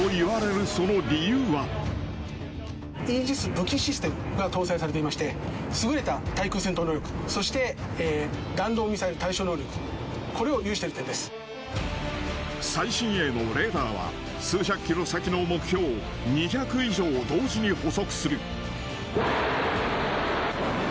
イージス武器システムが搭載されていまして、優れた対空戦闘能力、そして、弾道ミサイル対処能力、これを有最新鋭のレーダーは、数百キロ先の目標２００以上を同時に捕捉する。